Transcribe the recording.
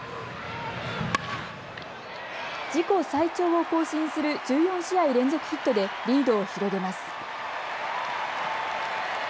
自己最長を更新する１４試合連続ヒットでリードを広げます。